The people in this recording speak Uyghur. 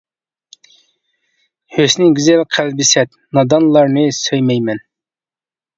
ھۆسنى گۈزەل قەلبى سەت، نادانلارنى سۆيمەيمەن.